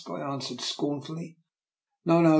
" I answered, scornfully. " No, no!